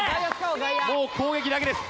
もう攻撃だけです。